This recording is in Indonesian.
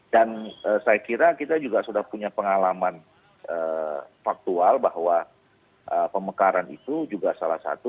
dan saya kira kita juga sudah punya pengalaman faktual bahwa pemekaran itu juga salah satu